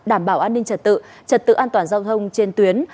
đảm bảo an ninh trật tự trật tự an toàn giao thông trên tuyến